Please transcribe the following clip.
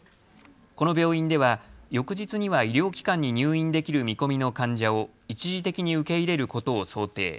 この病院では翌日には医療機関に入院できる見込みの患者を一時的に受け入れることを想定。